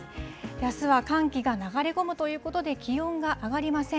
あすは寒気が流れ込むということで気温が上がりません。